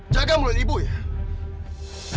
jaga mulut ibu ya